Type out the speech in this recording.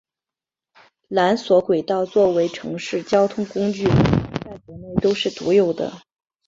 缆索轨道作为城市交通工具在国内都是独有的。